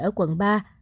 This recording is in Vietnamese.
ở quận ba